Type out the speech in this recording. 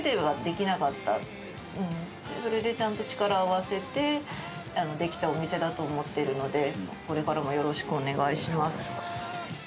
それでちゃんと力を合わせてできたお店だと思っているので、これからもよろしくお願いします。